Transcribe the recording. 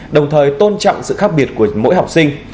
đồng thời tôn trọng sự khác biệt của mỗi học sinh